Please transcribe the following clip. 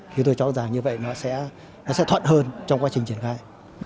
thì tôi chắc rằng như vậy nó sẽ thoận hơn trong quá trình triển khai